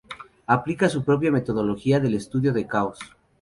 Aplica su propia metodología del "estudio de casos".